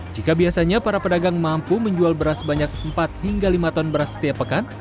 jika biasanya para pedagang mampu menjual beras banyak empat hingga lima ton beras setiap pekan